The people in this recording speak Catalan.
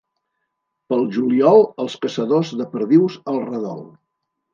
Pel juliol, els caçadors de perdius al redol.